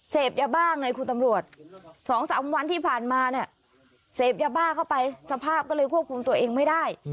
เสพยาบ้าไงคุณตำรวจ๒๓วันที่ผ่านมาเนี่ยเสพยาบ้าเข้าไปสภาพก็เลยควบคุมตัวเองไม่ได้